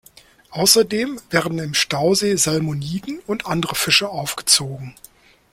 Außerdem werden im Stausee Salmoniden und andere Fische aufgezogen.